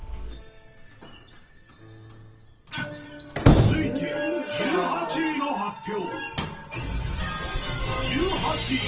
続いて１８位の発表。